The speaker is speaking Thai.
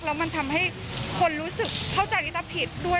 แล้วมันทำให้คนรู้สึกเข้าใจลิต้าผิดด้วย